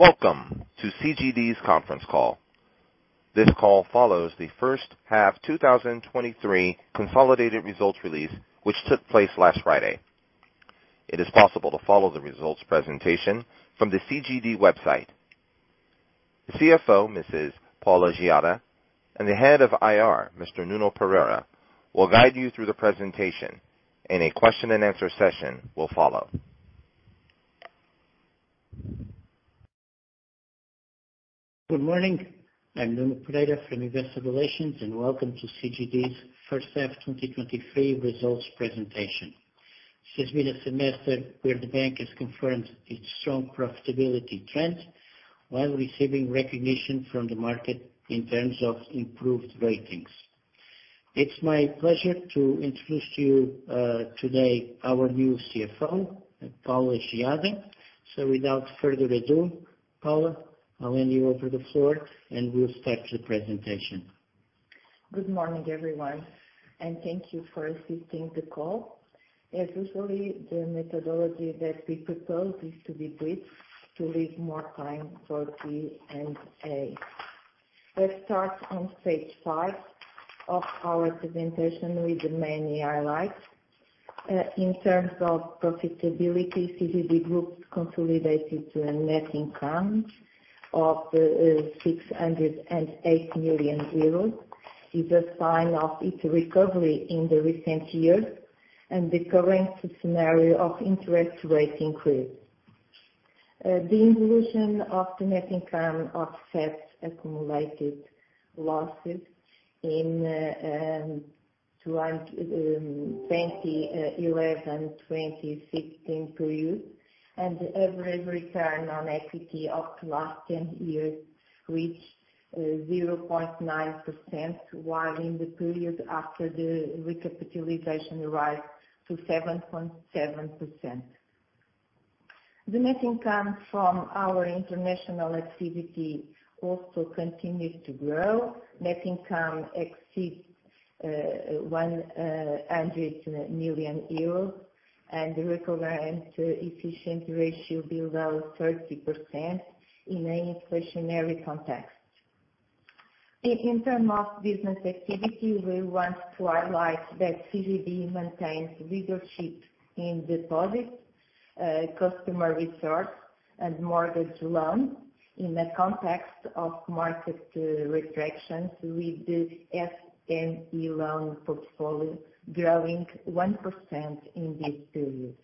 Welcome to CGD's conference call. This call follows the first half 2023 consolidated results release, which took place last Friday. It is possible to follow the results presentation from the CGD website. The CFO, Mrs. Paula Geada, and the Head of IR, Mr. Nuno Pereira, will guide you through the presentation. A question and answer session will follow. Good morning, I'm Nuno Pereira from Investor Relations, welcome to CGD's first half 2023 results presentation. This has been a semester where the bank has confirmed its strong profitability trend while receiving recognition from the market in terms of improved ratings. It's my pleasure to introduce to you today, our new CFO, Paula Geada. Without further ado, Paula, I'll hand you over the floor, and we'll start the presentation. Good morning, everyone, and thank you for assisting the call. As usually, the methodology that we propose is to be brief, to leave more time for Q&A. Let's start on page five of our presentation with the main highlights. In terms of profitability, CGD Group consolidated to a net income of 608 million euros, is a sign of its recovery in the recent years and the current scenario of interest rate increase. The evolution of the net income offsets accumulated losses in 2011-2016 periods. The average return on equity of the last 10 years reached 0.9%, while in the period after the recapitalization rise to 7.7%. The net income from our international activity also continued to grow. Net income exceeds 100 million euros, and the recurrent efficiency ratio below 30% in an inflationary context. In terms of business activity, we want to highlight that CGD maintains leadership in deposits, customer resources, and mortgage loans. In the context of market retractions with the SME loan portfolio growing 1% in this period.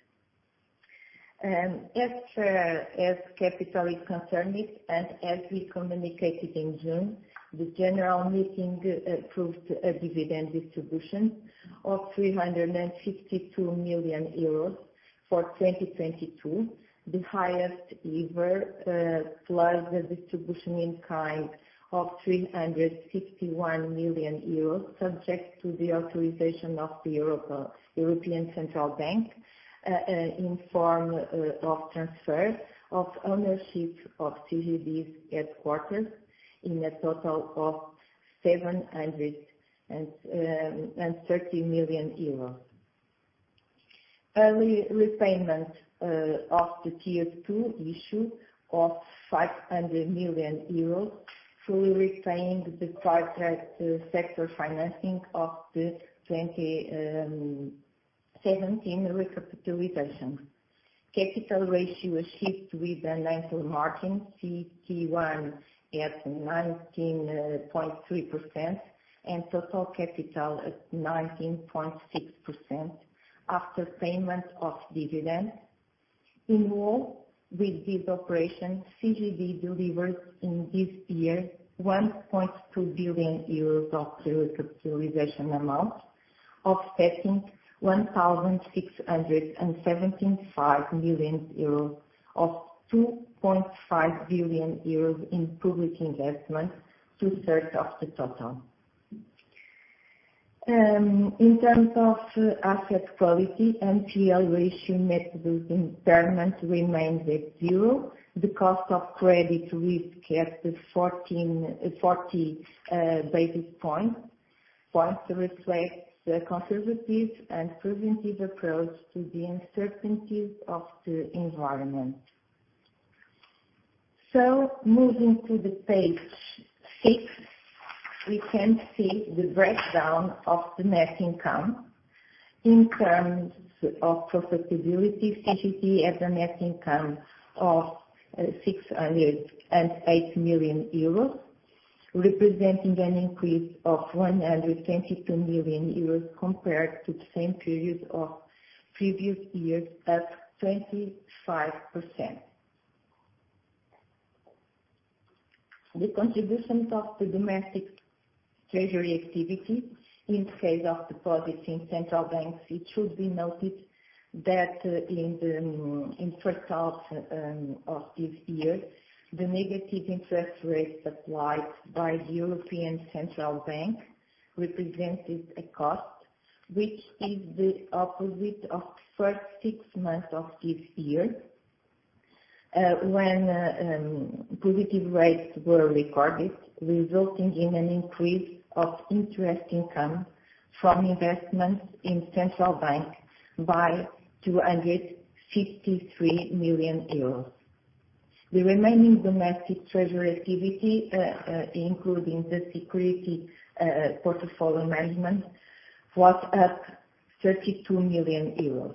As capital is concerned and as we communicated in June, the general meeting approved a dividend distribution of 352 million euros for 2022, the highest ever, plus the distribution in kind of 361 million euros, subject to the authorization of the European Central Bank in form of transfer of ownership of CGD's headquarters in a total of 730 million euros. Early repayment of the Tier 2 issue of 500 million euros, fully repaying the private sector financing of the 2017 recapitalization. Capital ratio achieved with a nine margin, CET1 at 19.3% and total capital at 19.6% after payment of dividend. With this operation, CGD delivered in this year 1.2 billion euros of total capitalization amount, offsetting 1,675 million euros of 2.5 billion euros in public investment, 2/3 of the total. In terms of asset quality NPL ratio, net impairment remains at zero. The cost of credit risk at 40 basis points to reflect the conservative and preventive approach to the uncertainties of the environment. Moving to page six, we can see the breakdown of the net income. In terms of profitability, CGD has a net income of 608 million euros, representing an increase of 122 million euros compared to the same period of previous years at 25%. The contributions of the domestic treasury activity in case of deposits in central banks, it should be noted that in the first half of this year, the negative interest rates applied by the European Central Bank represented a cost, which is the opposite of first six months of this year, when positive rates were recorded, resulting in an increase of interest income from investments in central bank by 253 million euros. The remaining domestic treasury activity, including the security portfolio management, was up EUR 32 million.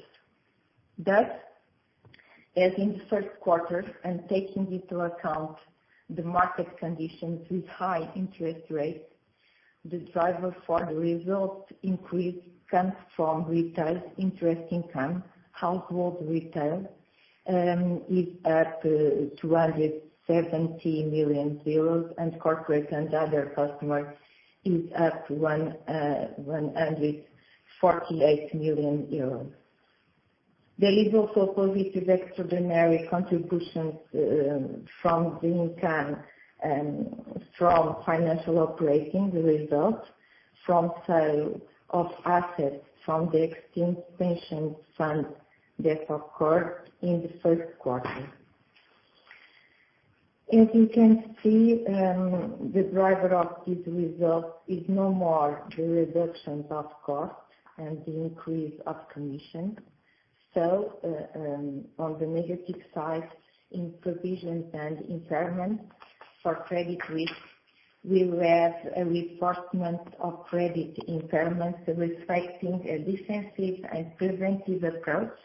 As in the first quarter and taking into account the market conditions with high interest rates, the driver for the result increase comes from retail interest income. Household retail is at 270 million euros, and corporate and other customers is at 148 million euros. There is also positive extraordinary contributions from the income from financial operating the results from sale of assets from the existing pension fund that occurred in the first quarter. As you can see, the driver of this result is no more the reductions of cost and the increase of commission. On the negative side, in provisions and impairments for credit risk, we have a reinforcement of credit impairments, reflecting a defensive and preventive approach,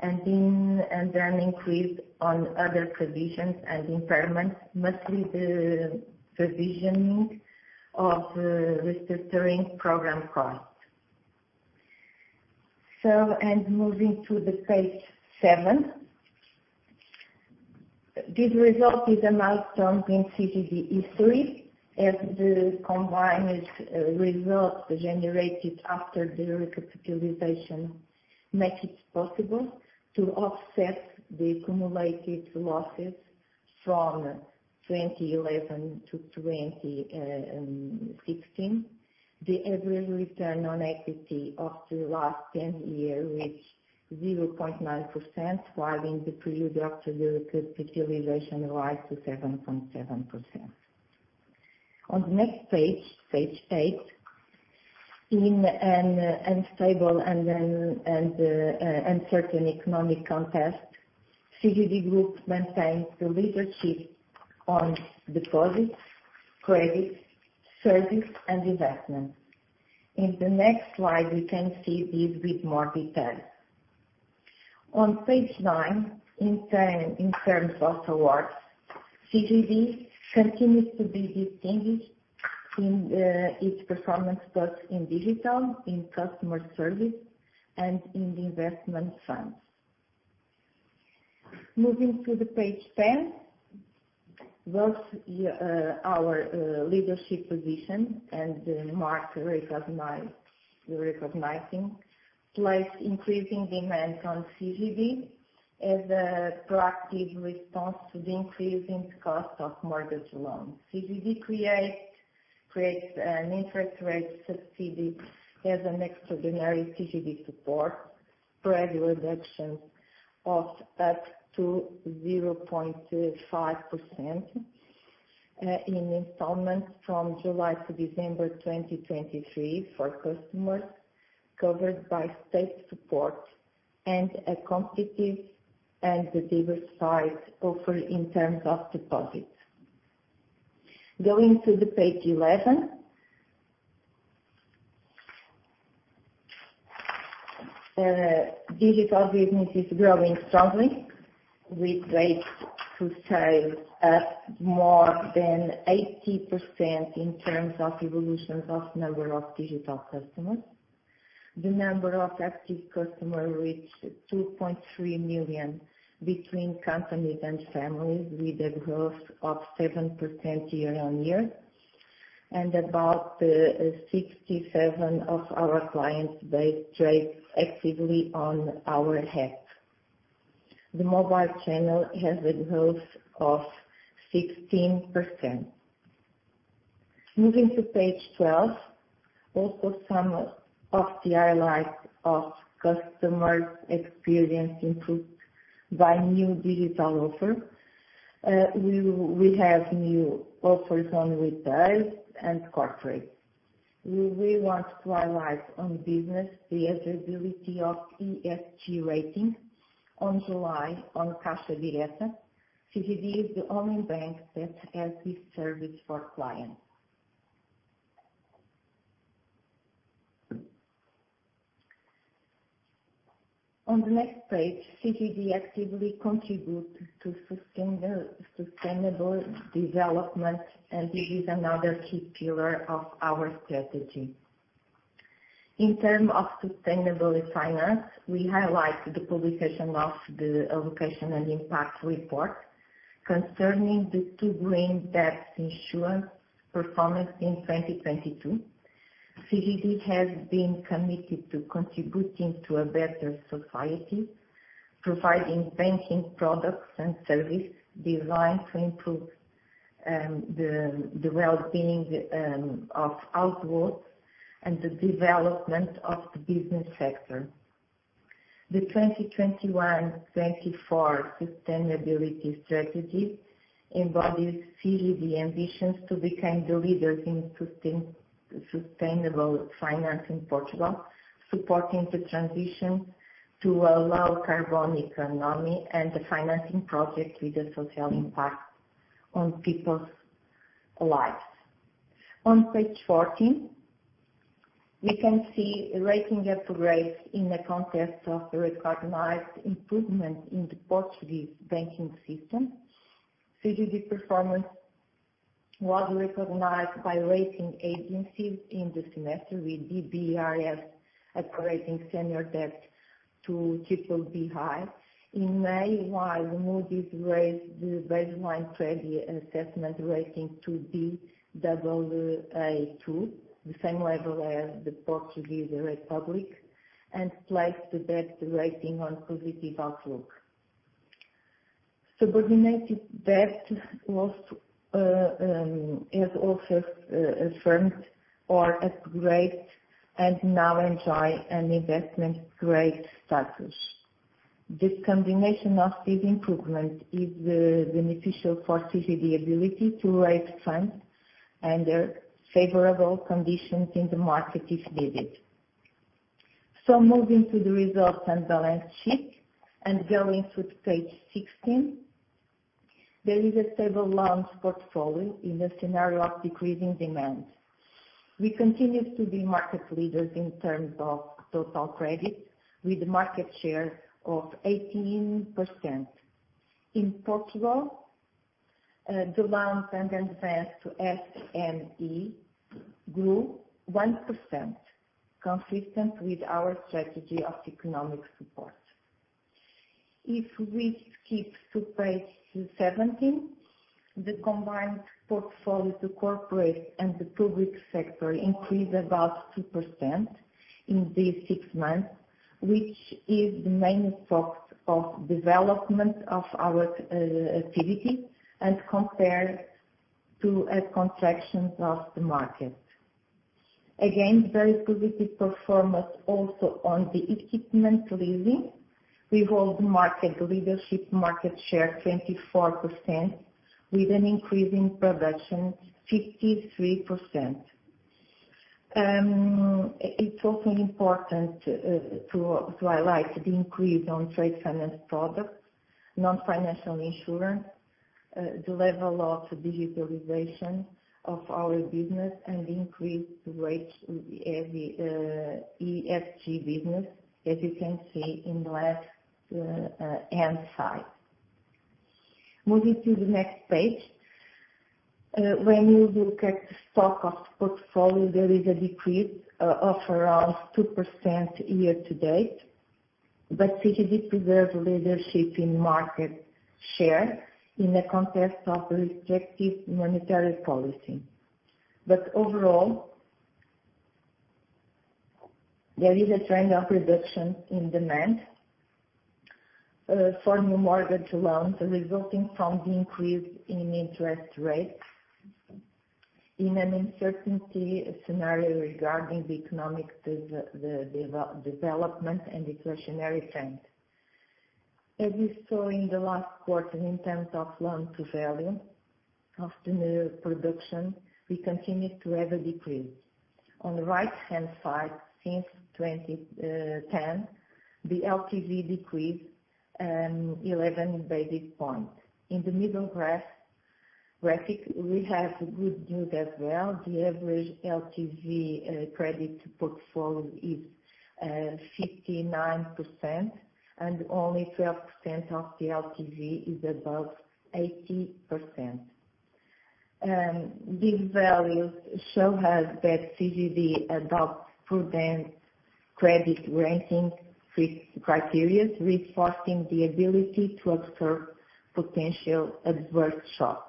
and an increase on other provisions and impairments, mostly the provisioning of the restructuring program costs. Moving to page seven. This result is a milestone in CGD history, as the combined result generated after the recapitalization make it possible to offset the accumulated losses from 2011 to 2016. The average return on equity of the last 10 year reached 0.9%, while in the period after the recapitalization rise to 7.7%. On the next page eight, in an unstable and uncertain economic context, CGD Group maintains the leadership on deposits, credits, services, and investment. In the next slide, we can see this with more detail. On page nine, in terms of awards, CGD continues to be distinguished in its performance, both in digital, in customer service, and in the investment funds. Moving to page 10, both our leadership position and the market recognizing drives increasing demand on CGD as a proactive response to the increasing cost of mortgage loans. CGD creates an interest rate subsidy as an extraordinary CGD support, spread reduction of up to 0.5% in installments from July to December 2023 for customers covered by state support, and a competitive and diversified offer in terms of deposits. Going to page 11. Digital business is growing strongly, with rates to sales up more than 80% in terms of evolution of number of digital customers. The number of active customers reached 2.3 million between companies and families, with a growth of 7% year-on-year. About 67 of our clients, they trade actively on our app. The mobile channel has a growth of 16%. Moving to page 12, some of the highlights of customer experience improved by new digital offer. We have new offers on retail and corporate. We want to highlight on business the availability of ESG rating on July on Caixadirecta. CGD is the only bank that has this service for clients. On the next page, CGD actively contribute to sustain the sustainable development. This is another key pillar of our strategy. In terms of sustainable finance, we highlight the publication of the Allocation and Impact Report concerning the two green debt issuances performance in 2022. CGD has been committed to contributing to a better society, providing banking products and services designed to improve the well-being of households and the development of the business sector. The 2021, 2024 sustainability strategy embodies CGD ambitions to become the leaders in sustainable finance in Portugal, supporting the transition to a low carbon economy and the financing project with a social impact on people's lives. On page 14, we can see a rating upgrade in the context of the recognized improvement in the Portuguese banking system. CGD performance was recognized by rating agencies in the semester, with DBRS upgrading senior debt to BBB (high). In May, while Moody's raised the baseline credit assessment rating to baa2, the same level as the Portuguese Republic, and placed the debt rating on positive outlook. Subordinated debt was has also affirmed or upgraded and now enjoy an investment grade status. This combination of this improvement is beneficial for CGD ability to raise funds under favorable conditions in the market if needed. Moving to the results and balance sheet and going to page 16, there is a stable loans portfolio in a scenario of decreasing demand. We continue to be market leaders in terms of total credit, with a market share of 18%. In Portugal, the loans and advance to SME grew 1%, consistent with our strategy of economic support. If we skip to page 17, the combined portfolio to corporate and the public sector increased about 2% in these six months, which is the main focus of development of our activity and compared to a contraction of the market. Again, very positive performance also on the equipment leasing. We hold market leadership, market share 24%, with an increase in production 53%. It's also important to highlight the increase on trade finance products, non-financial insurance, the level of digitalization of our business, and increased rates in the ESG business, as you can see in the left-hand side. Moving to the next page. When you look at the stock of the portfolio, there is a decrease of around 2% year to date, but CGD preserves leadership in market share in the context of restrictive monetary policy. Overall, there is a trend of reduction in demand for new mortgage loans resulting from the increase in interest rates in an uncertainty scenario regarding the economic development and the inflationary trend. As you saw in the last quarter, in terms of loan to value of the new production, we continue to have a decrease. On the right-hand side, since 2010, the LTV decreased 11 basis points. In the middle graphic, we have good news as well. The average LTV credit portfolio is 59%, and only 12% of the LTV is above 80%. These values show us that CGD adopts prudent credit ranking criterias, reinforcing the ability to absorb potential adverse shocks.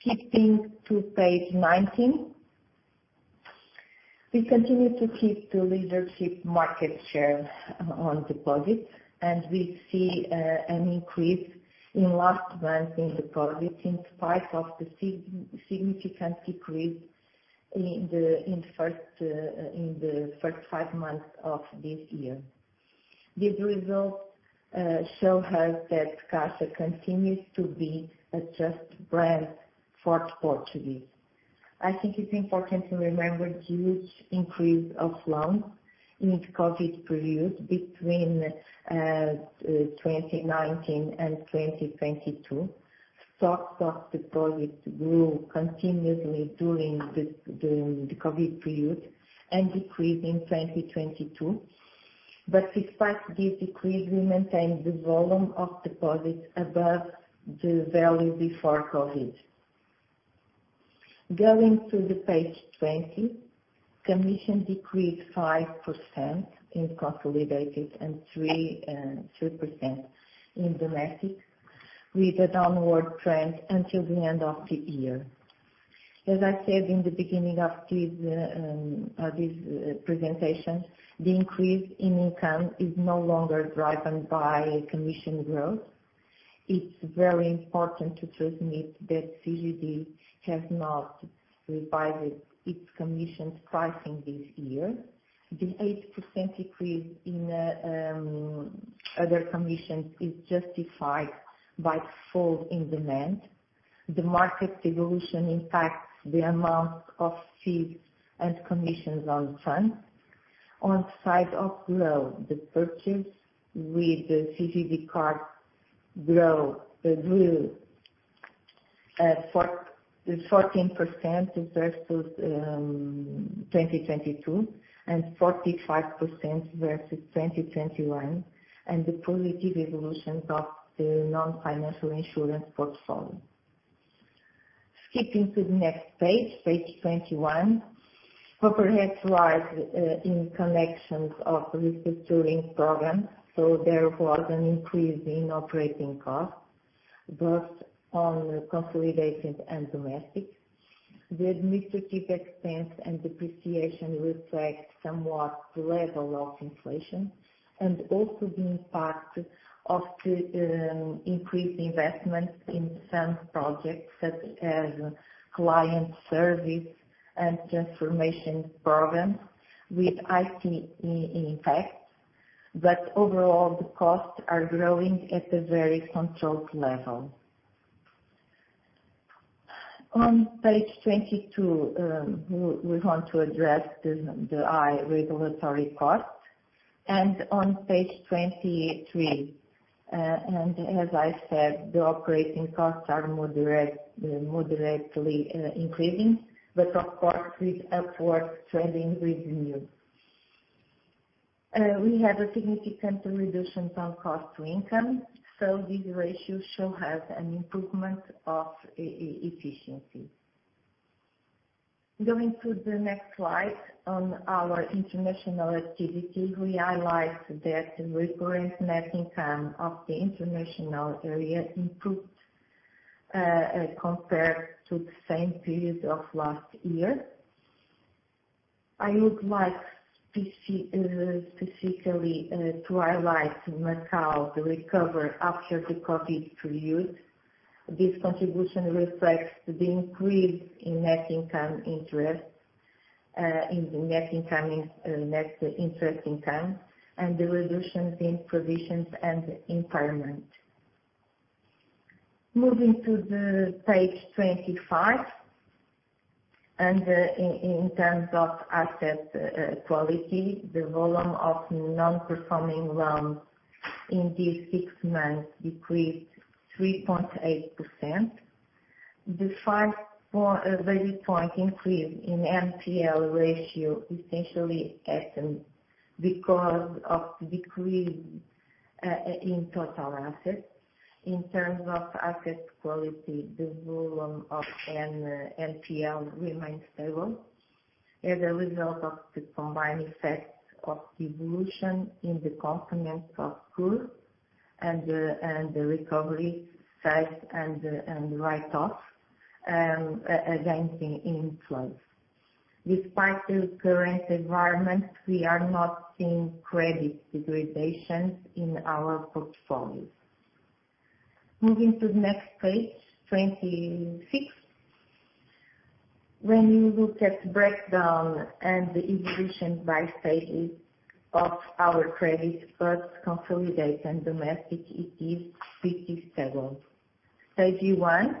Skipping to page 19. We continue to keep the leadership market share on deposits. We see an increase in last month in deposits, in spite of the significant decrease in the first five months of this year. These results show us that Caixa continues to be a trust brand for Portuguese. I think it's important to remember the huge increase of loans in the COVID period between 2019 and 2022. Stocks of deposits grew continuously during the COVID period and decreased in 2022. But despite this decrease, we maintain the volume of deposits above the value before COVID. Going to page 20, commission decreased 5% in consolidated and 3% in domestic, with a downward trend until the end of the year. As I said in the beginning of this presentation, the increase in income is no longer driven by commission growth. It's very important to transmit that CGD has not revised its commission pricing this year. The 8% decrease in other commissions is justified by fall in demand. The market evolution impacts the amount of fees and commissions on funds. On side of growth, the purchase with the CGD card grew at 14% versus 2022, and 45% versus 2021, and the positive evolution of the non-financial insurance portfolio. Skipping to the next page 21. Operating costs rise in connections of restructuring program. Therefore, there was an increase in operating costs, both on the consolidated and domestic. The administrative expense and depreciation reflect somewhat the level of inflation, and also the impact of the increased investment in some projects, such as client service and transformation program with IT in effect. Overall, the costs are growing at a very controlled level. On page 22, we want to address the high regulatory cost. On page 23, as I said, the operating costs are moderately increasing, but of course, with upward trending revenue. We had a significant reduction from cost-to-income, so this ratio show us an improvement of efficiency. Going to the next slide on our international activity, we highlight that the recurring net income of the international area improved, compared to the same period of last year. I would like specifically to highlight Macau, the recovery after the COVID period. This contribution reflects the increase in net income interest, in the net income, net interest income, and the reduction in provisions and impairment. Moving to the page 25, and, in terms of asset quality, the volume of non-performing loans in this six months decreased 3.8%. The 5 basis point increase in NPL ratio, essentially happened because of the decrease in total assets. In terms of asset quality, the volume of NPL remains stable as a result of the combined effects of evolution in the component of good and the recovery side, and write-off against influence. Despite the current environment, we are not seeing credit degradations in our portfolio. Moving to the next page, 26. When we look at the breakdown and the evolution by stage of our credit, first consolidate and domestic, it is pretty stable. Stage 1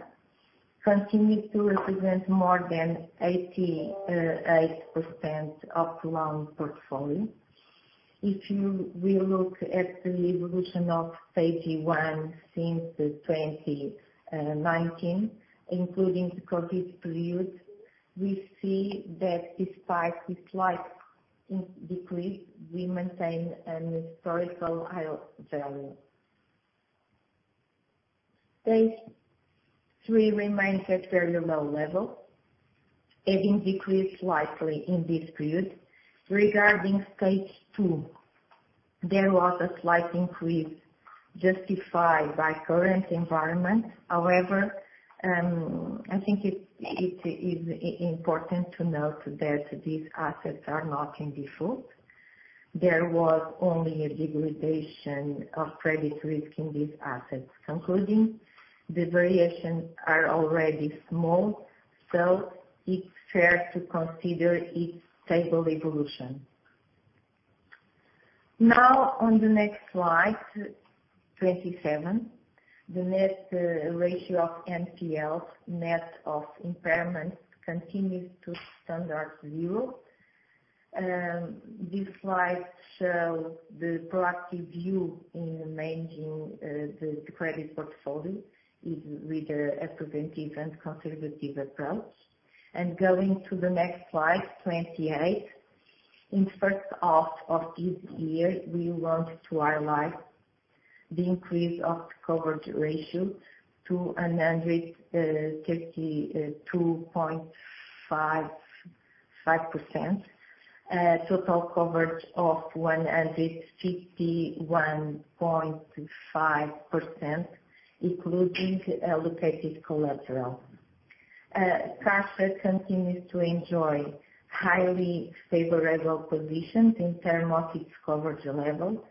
continues to represent more than 88% of loan portfolio. If you will look at the evolution of Stage 1 since the 2019, including the COVID period, we see that despite the slight decrease, we maintain an historical high value. Stage 3 remains at very low level, having decreased slightly in this period. Regarding Stage 2, there was a slight increase justified by current environment. However, it is important to note that these assets are not in default. There was only a degradation of credit risk in these assets. Concluding, the variations are already small, it's fair to consider its stable evolution. Now, on the next slide, 27, the net ratio of NPLs, net of impairments, continues to standard zero. This slide shows the proactive view in managing the credit portfolio is with a preventive and conservative approach. Going to the next slide, 28. In first half of this year, we want to highlight the increase of coverage ratio to an hundred 32.55%. Total coverage of 151.5%, including allocated collateral. Cash continues to enjoy highly favorable positions in term of its coverage level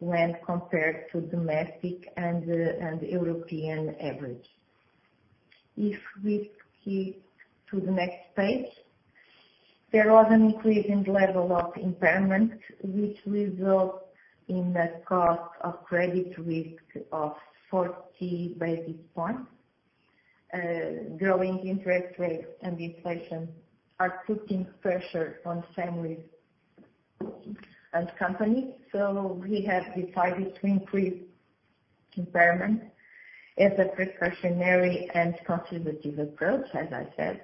when compared to domestic and European average. If we keep to the next page, there was an increase in the level of impairment, which result in a cost of credit risk of 40 basis points. Growing interest rates and inflation are putting pressure on families and companies, so we have decided to increase impairment as a precautionary and conservative approach as I said.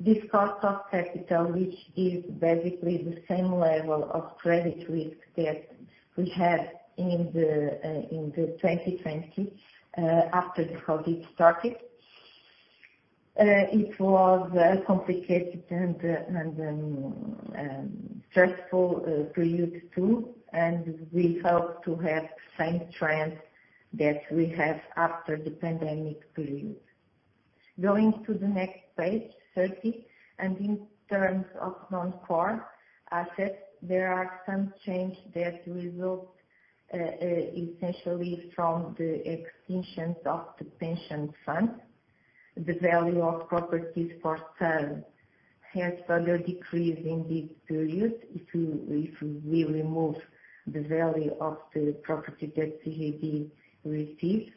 This cost of capital, which is basically the same level of credit risk that we had in the 2020, after the COVID started. It was a complicated and stressful period too, and we hope to have the same trend that we have after the pandemic period. Going to the next page, 30. In terms of non-core assets, there are some changes that result essentially from the extension of the pension fund. The value of properties for sale has further decreased in this period, if we remove the value of the property that CGD received.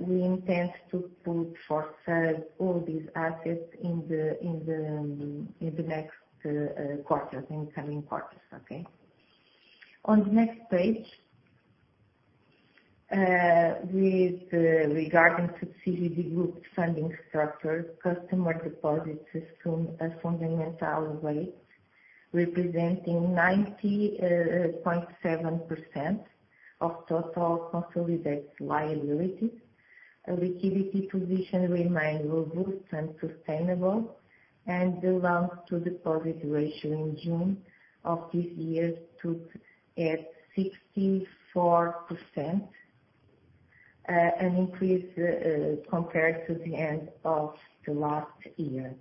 We intend to put for sale all these assets in the next quarters, in coming quarters, okay? On the next page, with regarding to CGD Group funding structure, customer deposits assume a fundamental weight, representing 90.7% of total consolidated liability. A liquidity position remains robust and sustainable, and the loan-to-deposit ratio in June of this year stood at 64%, an increase compared to the end of the last year.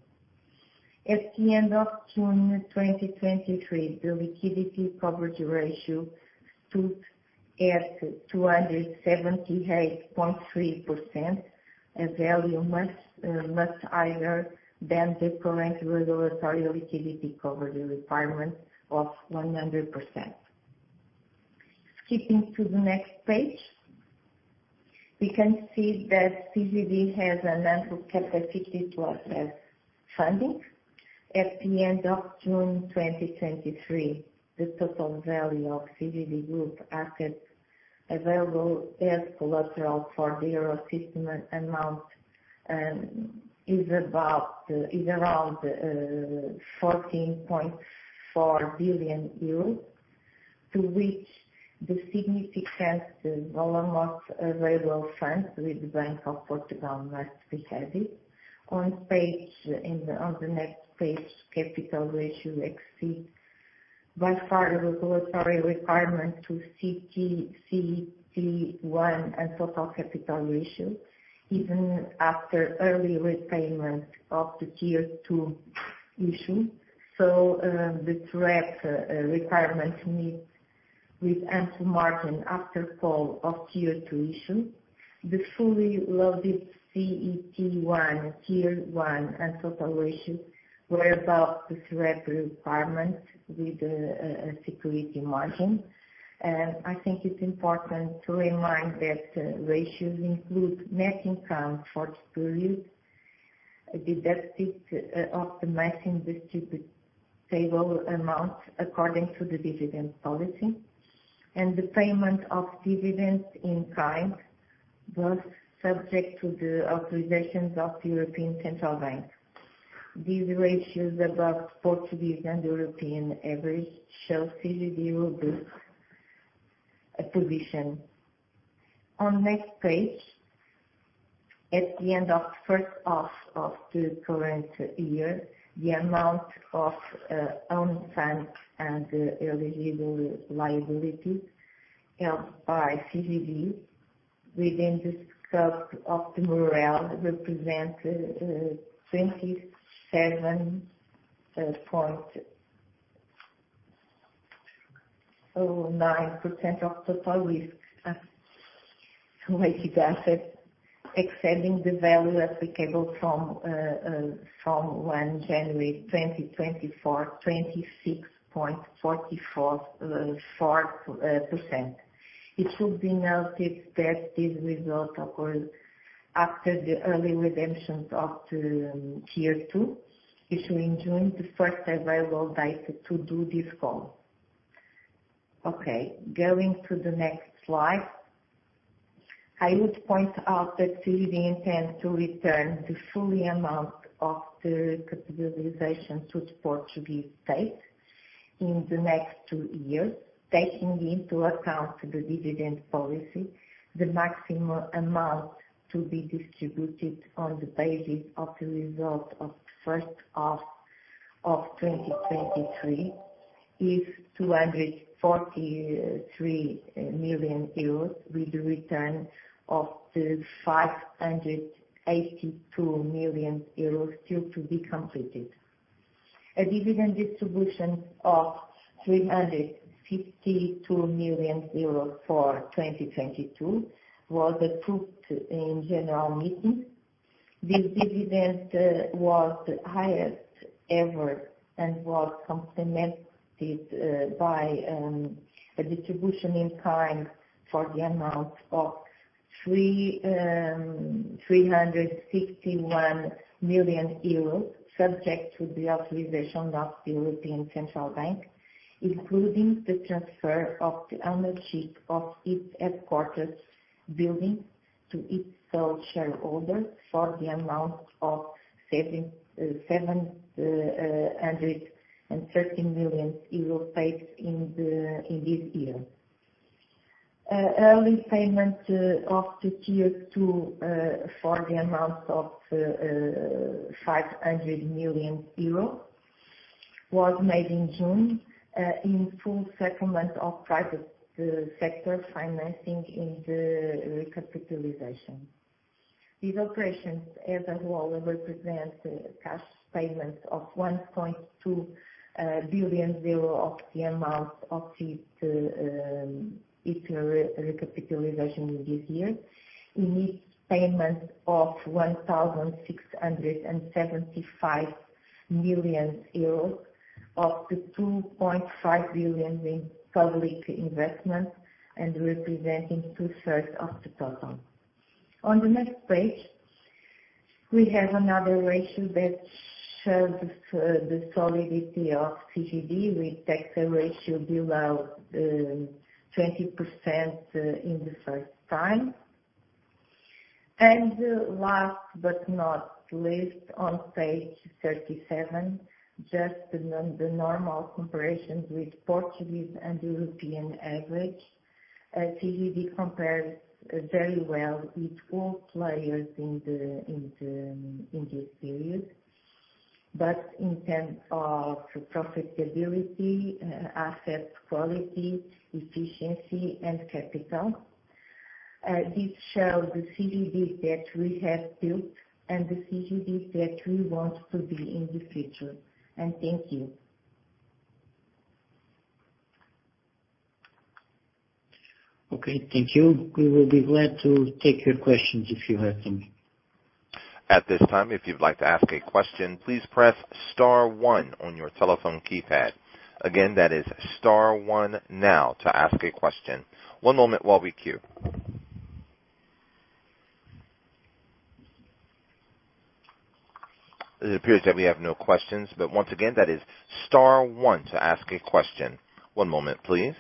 At the end of June 2023, the liquidity coverage ratio stood at 278.3%, a value much higher than the current regulatory liquidity coverage requirement of 100%. Skipping to the next page, we can see that CGD has enough capacity to assess funding. At the end of June 2023, the total value of CGD Group assets available as collateral for the Eurosystem amount is around 14.4 billion euros, to which the significant almost available funds with the Bank of Portugal must be added. On the next page, capital ratio exceeds by far the regulatory requirement to CET1 and total capital ratio, even after early repayment of the Tier 2 issue. The track requirement meets with ample margin after call of Tier 2 issue. The fully loaded CET1, Tier 1, and total ratio were about the track requirement with security margin. I think it's important to remind that ratios include net income for the period, the deficit of the maximum distributable amount according to the dividend policy, and the payment of dividends in kind, both subject to the authorizations of the European Central Bank. These ratios above Portuguese and European average show CGD robust acquisition. On next page, at the end of first half of the current year, the amount of own funds and eligible liability held by CGD within the scope of the MREL represented 27.09% of total risk weighted asset, exceeding the value applicable from January 1, 2024, 26.44%. It should be noted that this result occurred after the early redemption of the Tier 2 issue in June, the first available data to do this call. Going to the next slide. I would point out that CGD intends to return the fully amount of the capitalization to the Portuguese state in the next two years, taking into account the dividend policy, the maximum amount to be distributed on the basis of the result of the first half of 2023, is 243 million euros, with a return of the 582 million euros still to be completed. A dividend distribution of 352 million euros for 2022 was approved in general meeting. This dividend was the highest ever, and was complemented by a distribution in kind for the amount of 361 million euros, subject to the authorization of the European Central Bank, including the transfer of the ownership of its headquarters building to its sole shareholder for the amount of 713 million euros paid in this year. Early payment of the Tier 2 for the amount of 500 million euro was made in June in full settlement of private sector financing in the recapitalization. These operations as well represent a cash payment of 1.2 billion euro of the amount of its recapitalization this year, in each payment of 1,675 million euros, of the 2.5 billion in public investment and representing two-thirds of the total. On the next page, we have another ratio that shows the solidity of CGD, with tax ratio below 20%, in the first time. Last but not least, on page 37, just the normal comparisons with Portuguese and European average. CGD compares very well with all players in this period, but in terms of profitability, asset quality, efficiency, and capital. This shows the CGD that we have built and the CGD that we want to be in the future. Thank you. Okay, thank you. We will be glad to take your questions if you have any. At this time, if you'd like to ask a question, please press star one on your telephone keypad. Again, that is star one now to ask a question. One moment while we queue. It appears that we have no questions, but once again, that is star one to ask a question. One moment, please.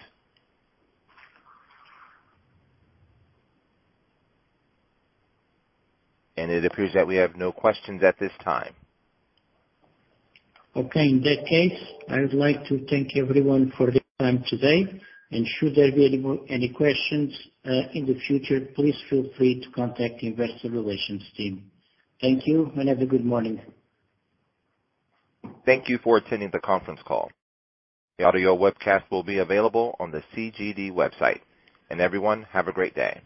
It appears that we have no questions at this time. Okay, in that case, I would like to thank everyone for their time today, and should there be any questions, in the future, please feel free to contact the investor relations team. Thank you and have a good morning. Thank you for attending the conference call. The audio webcast will be available on the CGD website. Everyone, have a great day!